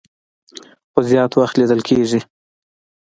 خو زيات وخت ليدل کيږي